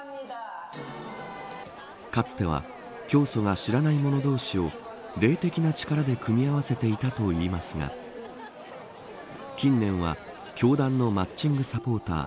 かつては教祖が知らない者同士を霊的な力で組み合わせていたといいますが近年は教団のマッチングサポーター